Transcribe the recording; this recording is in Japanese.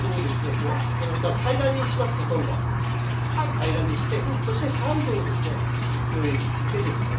平らにしてそしてサイドをですねこう手でですね